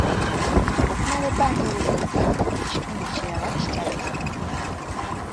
Okumala ebbanga eryo lyonna ng’ekitundu ekirala kitaliziddwa.